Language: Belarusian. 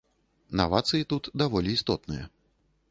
Навацыі тут даволі істотныя.